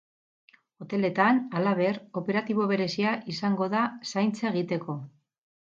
Hoteletan, halaber, operatibo berezia izango da zaintza egiteko.